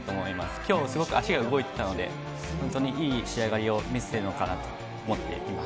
きょう、すごく足が動いてたので、本当にいい仕上がりを見せてるのかなと思っています。